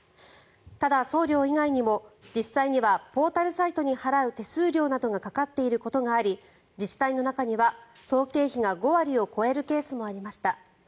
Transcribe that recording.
ただ、送料以外にも、実際にはポータルサイトなどに払う手数料がかかっていることがあり自治体の中には総経費が５割を超えるケースもありました。